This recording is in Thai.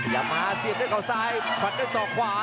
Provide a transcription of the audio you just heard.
อย่ามาเสียบด้วยเขาซ้ายฟันด้วยศอกขวา